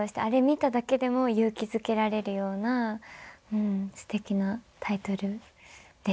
見ただけでも勇気づけられるようなすてきなタイトルでしたね。